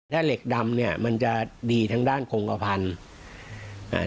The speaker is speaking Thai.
ถ้าเหล็กดำเนี้ยมันจะดีทางด้านโครงกระพันธุ์อ่า